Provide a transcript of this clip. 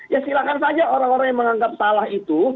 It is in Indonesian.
ya silahkan saja orang orang yang menganggap salah itu